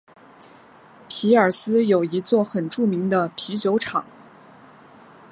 皮尔斯有一座很著名的啤酒厂。